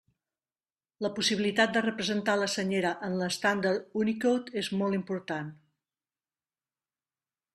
La possibilitat de representar la Senyera en l'estàndard Unicode és molt important.